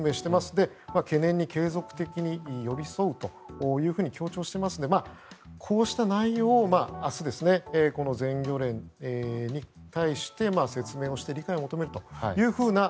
で、懸念に継続的に寄り添うというふうに強調していますのでこうした内容を明日、全漁連に対して説明をして理解を求めるという。